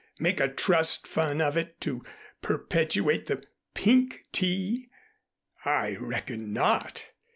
Make a Trust Fund of it to perpetuate the Pink Tea? I reckon not.